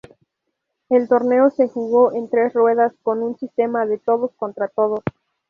El torneo se jugó en tres ruedas con un sistema de todos-contra-todos.